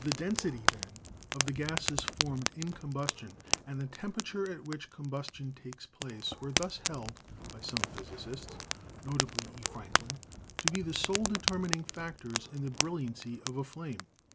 The density, then, of the gases formed in combustion, and the temperature at which combustion takes place, were thus held by some physicists, notably E. Frankland, to be the sole determining factors in the brilliancy of a flame.